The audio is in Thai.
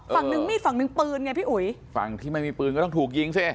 ฝั่งหนึ่งมีดฝั่งหนึ่งปืนไงพี่อุ๋ยฝั่งที่ไม่มีปืนก็ต้องถูกยิงสิ